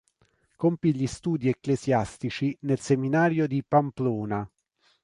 Compì gli studi ecclesiastici nel seminario di Pamplona.